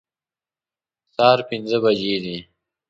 سهار پنځه بجې دي